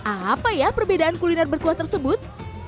apa ya perbedaan kuliner berkuah tersebut